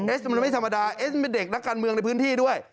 มันไม่ธรรมดาเอสเป็นเด็กนักการเมืองในพื้นที่ด้วย